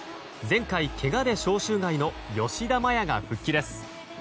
前回、けがで招集外の吉田麻也が復帰です。